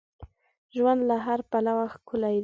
ژوند له هر پلوه ښکلی دی.